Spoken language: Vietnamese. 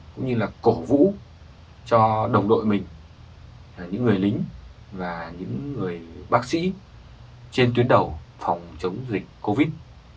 cũng như là cổ vũ cho đồng đội mình những người lính và những người bác sĩ trên tuyến đầu phòng chống dịch covid